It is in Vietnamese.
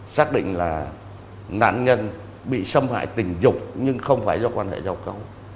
xác định là nạn nhân bị xâm hại tình dục nhưng không phải do quan hệ giao cấu